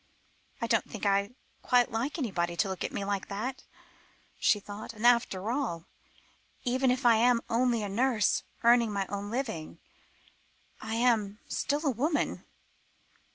"I don't think I quite like anybody to look at me like that," she thought; "and, after all, even if I am only a nurse, earning my own living I am still a woman."